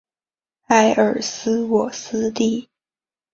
埃尔斯沃思地。